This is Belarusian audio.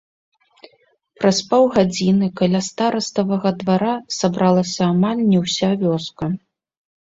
Праз паўгадзіны каля стараставага двара сабралася амаль не ўся вёска.